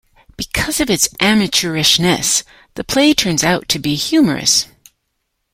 Because of its amateurishness, the play turns out to be humorous.